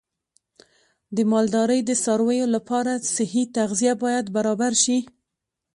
د مالدارۍ د څارویو لپاره صحي تغذیه باید برابر شي.